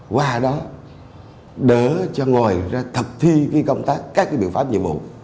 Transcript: qua đó đỡ cho ngồi ra thập thi công tác các biện pháp nhiệm vụ